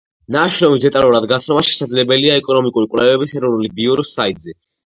ნაშრომის დეტალურად გაცნობა შესაძლებელია ეკონომიკური კვლევების ეროვნული ბიუროს საიტზე.